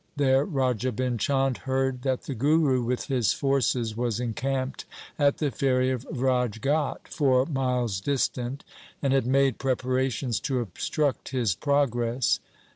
There Raja Bhim Chand heard that the Guru with his forces was encamped at the ferry of Raj ghat four miles distant, and had made preparations to obstruct his progress.